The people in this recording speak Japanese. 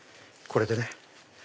これでね。